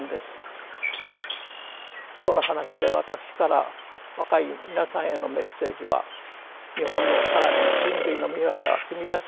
今日の話で私から若い皆さんへのメッセージは日本の更に人類の未来は君たちの手にあること。